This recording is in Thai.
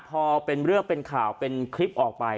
พอเป็นเรื่องเป็นข่าวเป็นคลิปออกไป